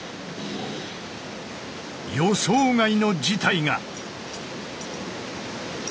予想外の事態が。